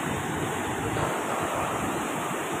你都九唔答八